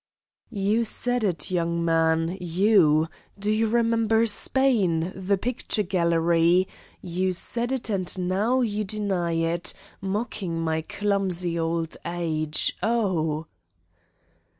"You said it, you, young man you. Do you remember Spain, the picture gallery! You said it and now you deny it, mocking my clumsy old age. Oh!"